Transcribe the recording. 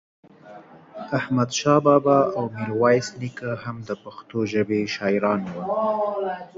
احمد شاه بابا او ميرويس نيکه هم دا پښتو ژبې شاعران وو